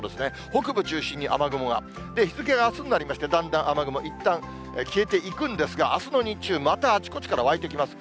北部中心に雨雲が、日付があすになりまして、だんだん雨雲、いったん消えていくんですが、あすの日中、またあちこちから湧いてきます。